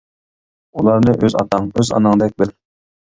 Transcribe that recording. ئۇلارنى ئۆز ئاتاڭ، ئۆز ئاناڭدەك بىل.